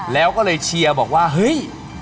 แล้วก็เลยเชียร์บอกว่าเฮ้ย